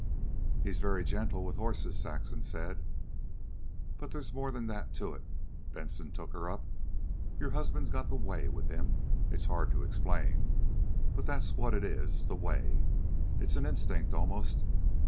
"He's very gentle with horses," Saxon said. "But there's more than that to it," Benson took her up. "Your husband's got the WAY with him. It's hard to explain. But that's what it is the WAY. It's an instinct almost.